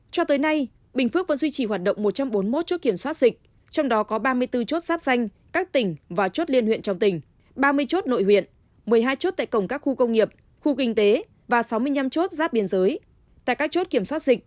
cho tới nay bình phước vẫn duy trì hoạt động một trăm bốn mươi một chốt kiểm soát dịch trong đó có ba mươi bốn chốt sáp xanh các tỉnh và chốt liên huyện trong tỉnh ba mươi chốt nội huyện một mươi hai chốt tại cổng các khu công nghiệp khu kinh tế và sáu mươi năm chốt sáp biên giới